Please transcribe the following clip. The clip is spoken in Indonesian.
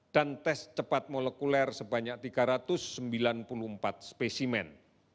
dan tes cepat molekuler sebanyak tiga ratus sembilan puluh empat spesimen